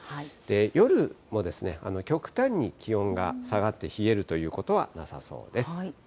夜も、極端に気温が下がって冷えるということはなさそうです。